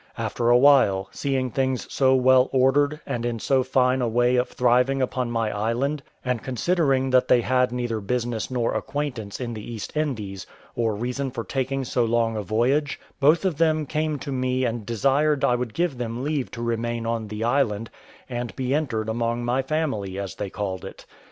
After a while, seeing things so well ordered, and in so fine a way of thriving upon my island, and considering that they had neither business nor acquaintance in the East Indies, or reason for taking so long a voyage, both of them came to me and desired I would give them leave to remain on the island, and be entered among my family, as they called it.